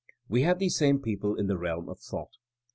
'' We have these same people in the realm of thought.